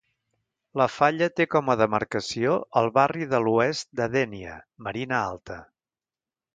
La falla té com a demarcació el barri de l'Oest de Dénia, Marina Alta.